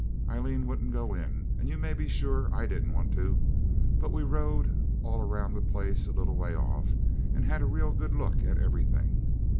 Aileen wouldn't go in, and you may be sure I didn't want to, but we rode all round the place, a little way off, and had a real good look at everything.